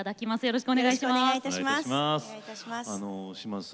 よろしくお願いします。